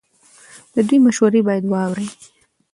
د دوی مشورې باید واورئ.